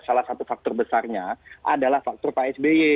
salah satu faktor besarnya adalah faktor pak sby